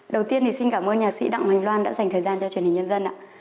đầu tiên xin cảm ơn nhà sĩ đạm hoành loan đã dành thời gian cho truyền hình nhân dân